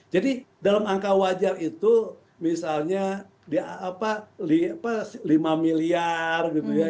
jadi dalam angka wajar itu misalnya lima miliar gitu ya